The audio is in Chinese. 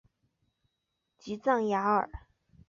吉藏雅尔。